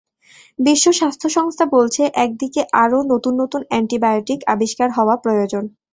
বিশ্ব স্বাস্থ্য সংস্থা বলছে, একদিকে আরও নতুন নতুন অ্যান্টিবায়োটিক আবিষ্কার হওয়া প্রয়োজন।